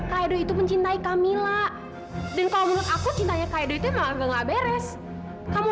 kak edo itu mencintai camilla dan kalau menurut aku cintanya kak edo itu emang agak gak beres kamu